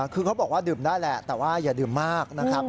คือเขาบอกว่าดื่มได้แหละแต่ว่าอย่าดื่มมากนะครับ